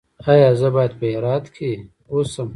ایا زه باید په هرات کې اوسم؟